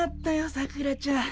さくらちゃん。